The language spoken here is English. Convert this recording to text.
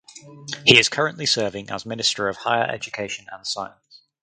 He is currently serving as Minister of Higher Education and Science.